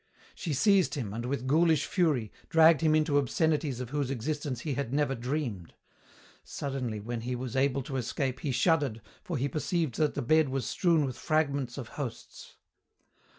She seized him, and, with ghoulish fury, dragged him into obscenities of whose existence he had never dreamed. Suddenly, when he was able to escape, he shuddered, for he perceived that the bed was strewn with fragments of hosts.